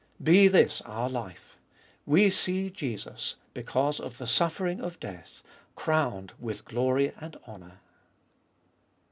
Be this our life : We see Jesus, because of the suffering of death, crowned with glory and honour.